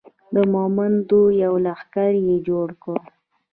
د مومندو یو لښکر یې جوړ کړ.